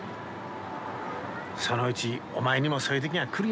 そのうちお前にもそういう時が来るよ。